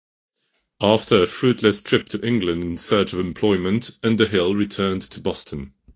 After a fruitless trip to England in search of employment, Underhill returned to Boston.